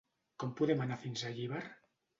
Com podem anar fins a Llíber?